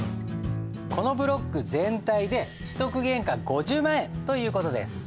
このブロック全体で取得原価５０万円という事です。